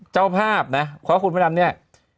เจ้าภาพนะคะคุณมะนำเนี่ย